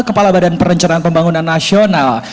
kepala badan perencanaan pembangunan nasional